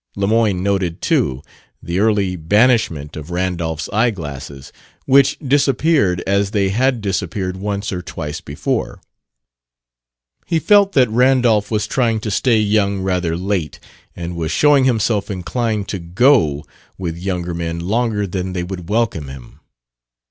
Lemoyne noted, too, the early banishment of Randolph's eyeglasses, which disappeared as they had disappeared once or twice before. He felt that Randolph was trying to stay young rather late, and was showing himself inclined to "go" with younger men longer than they would welcome him.